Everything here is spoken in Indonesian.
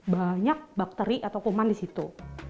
banyak bakteri atau kuman di situ